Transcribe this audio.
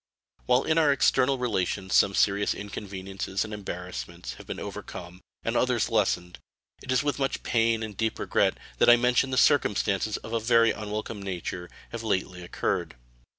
While in our external relations some serious inconveniences and embarrassments have been overcome and others lessened, it is with much pain and deep regret I mention that circumstances of a very unwelcome nature have lately occurred.